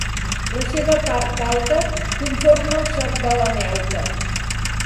La seva part alta conforma el Sot de la Meuca.